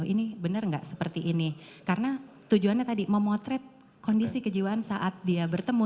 ini benar nggak seperti ini karena tujuannya tadi memotret kondisi kejiwaan saat dia bertemu